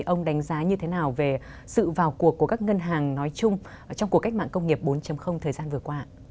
ông đánh giá như thế nào về sự vào cuộc của các ngân hàng nói chung trong cuộc cách mạng công nghiệp bốn thời gian vừa qua